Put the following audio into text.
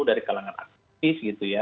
dari kalangan artis